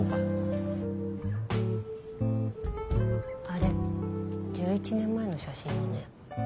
あれ１１年前の写真よね。